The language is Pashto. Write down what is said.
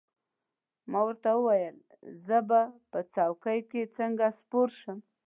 ما ورته وویل: زه به په څوکۍ کې څنګه سپور شم؟